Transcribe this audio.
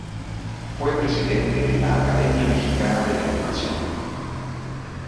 Fue presidente de la Academia Mexicana de la Educación.